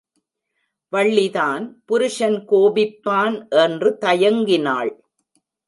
வள்ளிதான் புருஷன் கோபிப்பான் என்று தயங்கினாள்.